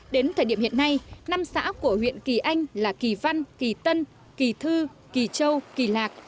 đến thời điểm hiện nay năm xã của huyện kỳ anh là kỳ văn kỳ tân kỳ thư kỳ châu kỳ lạc